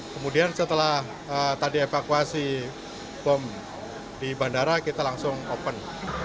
kemudian setelah tadi evakuasi bom di bandara kita langsung open